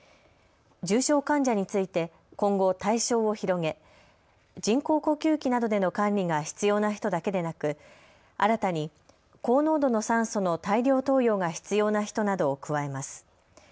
重症患者について今後、対象を広げ人工呼吸器などでの管理が必要な人だけでなく新たに高濃度の酸素の大量投与が必要な人などを加えます。